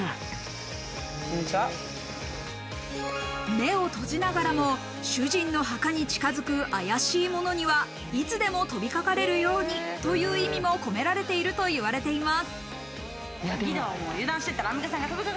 目を閉じながらも、主人の墓に近づく怪しい者にはいつでも飛びかかれるようにという意味も込められているといわれています。